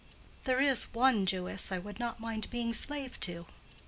There is one Jewess I should not mind being slave to.